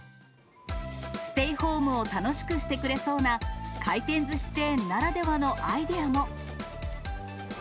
ステイホームを楽しくしてくれそうな、回転ずしチェーンならではのアイデアも。